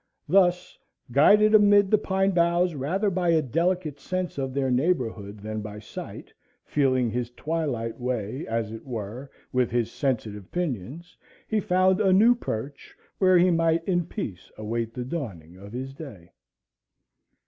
Thus, guided amid the pine boughs rather by a delicate sense of their neighborhood than by sight, feeling his twilight way as it were with his sensitive pinions, he found a new perch, where he might in peace await the dawning of his day.